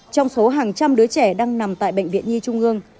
trong số hàng trăm đứa trẻ đang nằm tại bệnh viện nhi trung ương